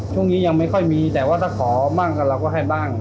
ช่วงนี้ยังไม่ค่อยมีแต่ว่าถ้าขอบ้างเราก็ให้บ้าง